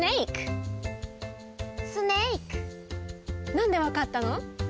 なんでわかったの？